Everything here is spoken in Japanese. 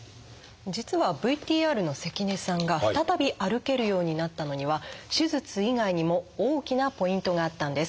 実はＶＴＲの関根さんが再び歩けるようになったのには手術以外にも大きなポイントがあったんです。